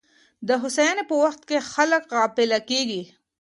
د هوساینې په وخت کي خلګ غافله کیږي.